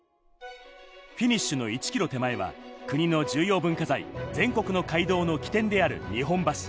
フィニッシュの１ｋｍ手前が国の重要文化財、全国の街道の起点である日本橋。